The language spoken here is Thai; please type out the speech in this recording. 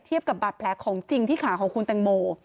เทียบกับบัตรแผลของจริงที่ขาของคุณตังโม